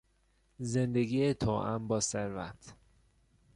زندگی توام با ثروت